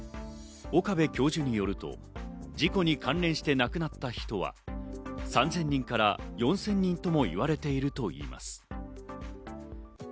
岡部教授によると、事故に関連して亡くなった人は３０００人から４０００人とも言われているといいます。